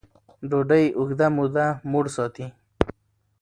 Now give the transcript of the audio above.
ډوډۍ اوږده موده موړ ساتي.